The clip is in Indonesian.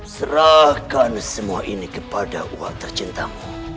serahkan semua ini kepada uang tercintamu